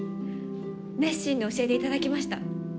熱心に教えていただきました。